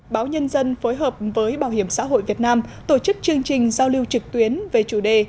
báo nhân dân phối hợp với bảo hiểm xã hội việt nam tổ chức chương trình giao lưu trực tuyến về chủ đề